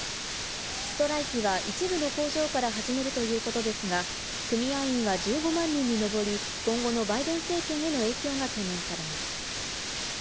ストライキは一部の工場から始めるということですが、組合員は１５万人にのぼり、今後のバイデン政権への影響が懸念されます。